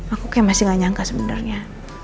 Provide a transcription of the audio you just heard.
aku kayak masih gak nyangka sebenarnya